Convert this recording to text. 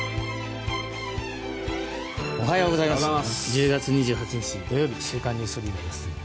１０月２８日、土曜日「週刊ニュースリーダー」です。